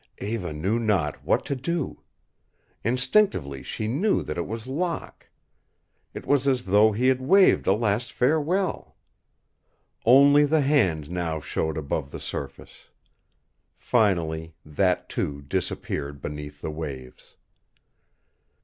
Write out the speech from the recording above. Eva knew not what to do. Instinctively she knew that it was Locke. It was as though he had waved a last farewell. Only the hand now showed above the surface. Finally that, too, disappeared beneath the waves.